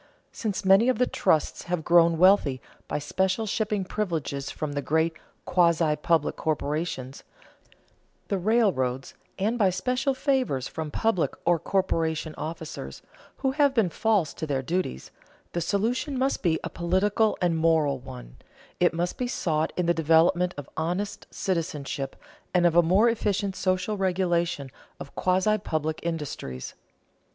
Since many of the trusts have grown wealthy by special shipping privileges from the great quasi public corporations, the railroads, and by special favors from public or corporation officers, who have been false to their duties, the solution must be a political and moral one; it must be sought in the development of honest citizenship and of a more efficient social regulation of quasi public industries.